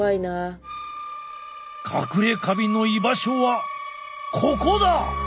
かくれカビの居場所はここだ！